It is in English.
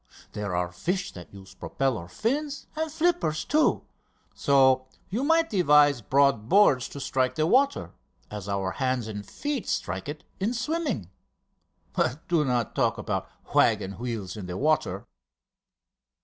There are fish that use propeller fins and flippers too. So you might devise broad boards to strike the water, as our hands and feet strike it in swimming. But do not talk about waggon wheels in the water!"